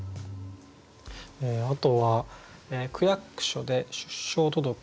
あとは「区役所で出生届型破り」。